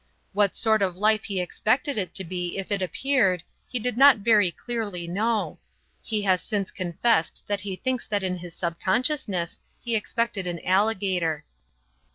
What sort of life he expected it to be if it appeared, he did not very clearly know. He has since confessed that he thinks that in his subconsciousness he expected an alligator.